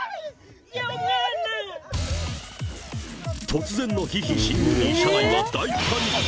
突然のヒヒ侵入に、車内は大パニック。